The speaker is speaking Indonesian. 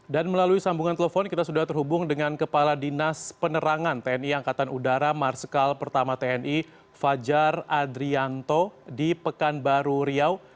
dan melalui sambungan telepon kita sudah terhubung dengan kepala dinas penerangan tni angkatan udara marsikal pertama tni fajar adrianto di pekanbaru riau